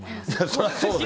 そりゃそうだ。